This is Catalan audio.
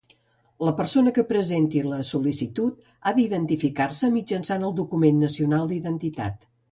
La persona que presenti la sol·licitud ha d'identificar-se mitjançant el document nacional d'identitat.